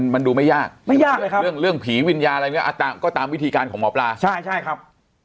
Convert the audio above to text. มันดูไม่ยากไม่ยากเลยครับเรื่องผีวิญญาณอะไรก็ตามวิธีการของหมอปลาใช่ครับ